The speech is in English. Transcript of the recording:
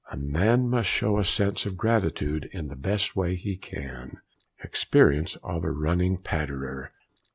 A man must show a sense of gratitude in the best way he can. EXPERIENCE OF A RUNNING PATTERER.